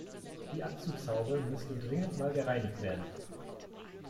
Die Abzugshaube müsste dringend mal gereinigt werden.